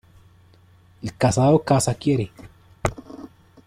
El casado casa quiere.